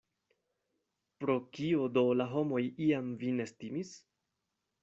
Pro kio do la homoj iam vin estimis?